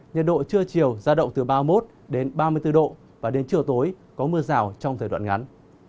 nhiệt độ trưa chiều ra động từ ba mươi một đến ba mươi bốn độ và đến chiều tối có mưa rào trong thời đoạn ngắn